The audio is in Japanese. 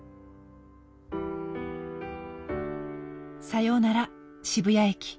さよなら渋谷駅。